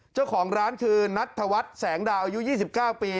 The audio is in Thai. เจ้าของร้านคือนัทธวัฒน์แสงดาวอายุ๒๙ปี